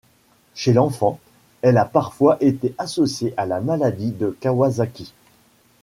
Chez l'enfant, elle a parfois été associée à la maladie de Kawasaki.